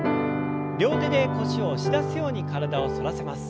両手で腰を押し出すように体を反らせます。